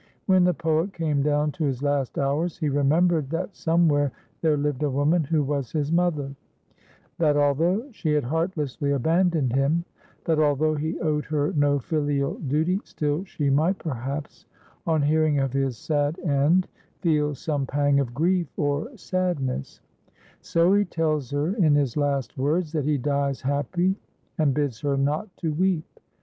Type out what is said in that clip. When the poet came down to his last hours he remembered that somewhere there lived a woman who was his mother; that although she had heartlessly abandoned him; that although he owed her no filial duty, still she might, perhaps, on hearing of his sad end feel some pang of grief or sadness; so he tells her in his last words that he dies happy and bids her not to weep.